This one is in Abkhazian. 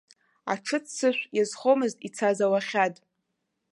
Аҽыццышә иазхомызт ицаз ауахьад.